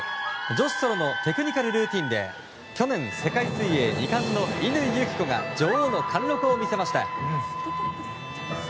女子ソロのテクニカルルーティンで去年、世界水泳２冠の乾友紀子が女王の貫録を見せました。